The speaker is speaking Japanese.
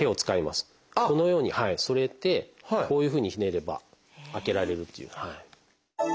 このように添えてこういうふうにひねれば開けられるという。